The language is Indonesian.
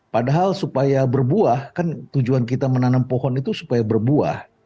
padahal supaya berbuah kan tujuan kita menanam pohon itu supaya berbuah